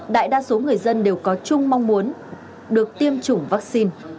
đại đa số người dân đều có chung mong muốn được tiêm chủng vaccine